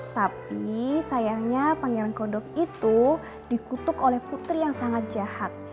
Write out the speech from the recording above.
tapi sayangnya pangeran kodok itu dikutuk oleh putri yang sangat jahat